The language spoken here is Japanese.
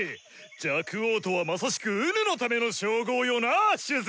若王とはまさしく己のための称号よなぁ首席